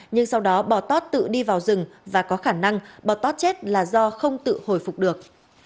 nhưng sau đó bò tót tự đi vào rừng và có khả năng bò tót chết là do không tự hồi phục được